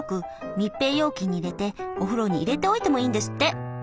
密閉容器に入れてお風呂に入れておいてもいいんですって。